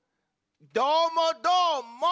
どーもどーも！